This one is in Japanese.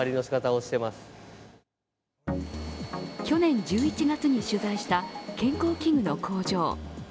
去年１１月に取材した健康器具の工場。